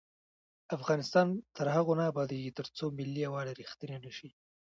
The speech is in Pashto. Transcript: افغانستان تر هغو نه ابادیږي، ترڅو ملي یووالی رښتینی نشي.